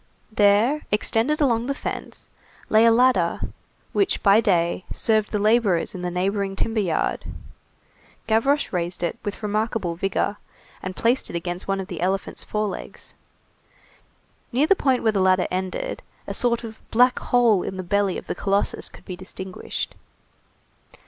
There, extended along the fence, lay a ladder which by day served the laborers in the neighboring timber yard. Gavroche raised it with remarkable vigor, and placed it against one of the elephant's forelegs. Near the point where the ladder ended, a sort of black hole in the belly of the colossus could be distinguished.